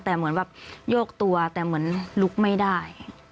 แต่เหมือนแบบโยกตัวแต่เหมือนลุกไม่ได้